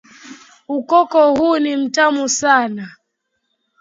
Ukoko huu ni mtamu sana.